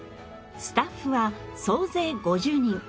スタッフは総勢５０人。